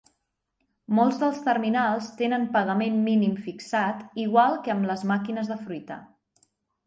Molts dels terminals tenen pagament mínim fixat igual que amb les màquines de fruita.